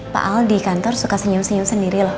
pak aldi kantor suka senyum senyum sendiri loh